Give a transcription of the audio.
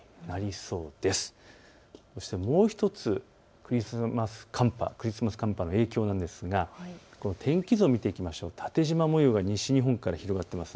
そして、もう１つ、クリスマス寒波の影響なんですがこの天気図を見ていくと縦じま模様が西日本から広がっています。